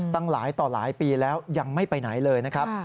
ตั้งหลายต่อหลายปีแล้วยังไม่ไปไหนเลยนะครับ